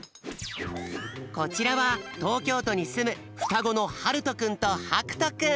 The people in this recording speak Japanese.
こちらはとうきょうとにすむふたごのはるとくんとはくとくん。